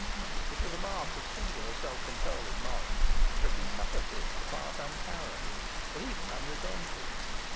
It was a mark of singular self control in Morris that he suffered this to pass unchallenged, and even unresented.